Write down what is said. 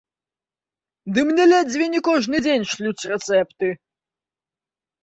Ды мне ледзьве не кожны дзень шлюць рэцэпты!